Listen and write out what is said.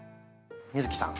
美月さん